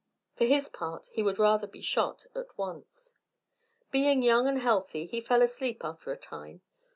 For his part he would rather be shot at once. Being young and healthy, he fell asleep after a time.